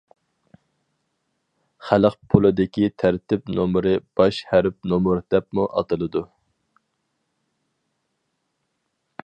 خەلق پۇلىدىكى تەرتىپ نومۇرى باش ھەرپ نومۇر دەپمۇ ئاتىلىدۇ.